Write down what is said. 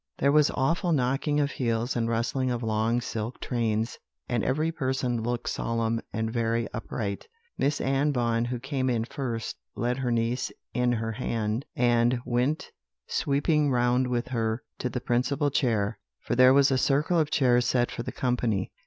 There was awful knocking of heels and rustling of long silk trains; and every person looked solemn and very upright. "Miss Anne Vaughan, who came in first, led her niece in her hand, and went sweeping round with her to the principal chair, for there was a circle of chairs set for the company.